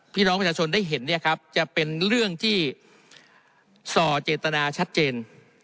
พี่น้องประชาชนได้เห็นเนี่ยครับจะเป็นเรื่องที่ส่อเจตนาชัดเจน